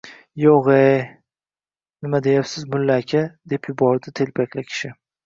– Yo’g’-ye, nima deyapsiz mullaka… – deb yubordi telpakli kishi.